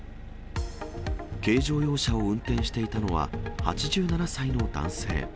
軽乗用車を運転していたのは、８７歳の男性。